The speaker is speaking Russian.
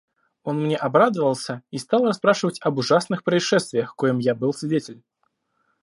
Он мне обрадовался и стал расспрашивать об ужасных происшествиях, коим я был свидетель.